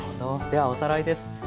ではおさらいです。